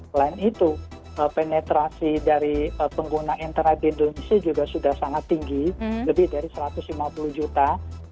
selain itu penetrasi dari pengguna internet di indonesia juga sudah sangat tinggi lebih dari satu ratus lima puluh juta